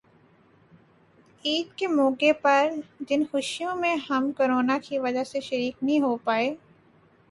ید کے موقع پر جن خوشیوں میں ہم کرونا کی وجہ سے شریک نہیں ہو پائے